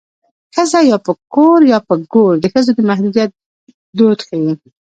ښځه یا پر کور یا په ګور د ښځو د محدودیت دود ښيي